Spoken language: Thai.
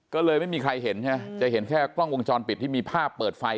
ก็เลยไม่มีใครเห็นใช่ไหมจะเห็นแค่กล้องวงจรปิดที่มีภาพเปิดไฟ